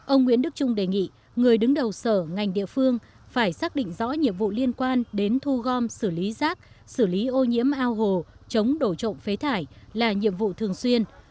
ông nguyễn đức trung đề nghị người đứng đầu sở ngành địa phương phải xác định rõ nhiệm vụ liên quan đến thu gom xử lý rác xử lý ô nhiễm ao hồ chống đổ trộm phế thải là nhiệm vụ thường xuyên